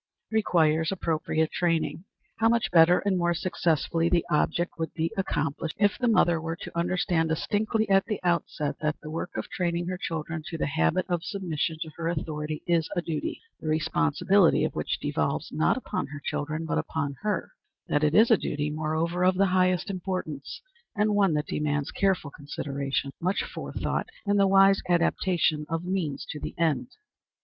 Requires appropriate Training. How much better and more successfully the object would be accomplished if the mother were to understand distinctly at the outset that the work of training her children to the habit of submission to her authority is a duty, the responsibility of which devolves not upon her children, but upon her; that it is a duty, moreover, of the highest importance, and one that demands careful consideration, much forethought, and the wise adaptation of means to the end.